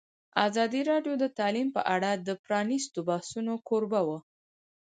ازادي راډیو د تعلیم په اړه د پرانیستو بحثونو کوربه وه.